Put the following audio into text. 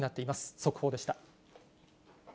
速報でした。